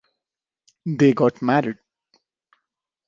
They got married.